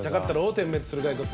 点滅するガイコツ。